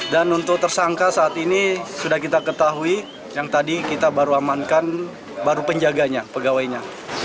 dan untuk tersangka saat ini sudah kita ketahui yang tadi kita baru amankan baru penjaganya pegawainya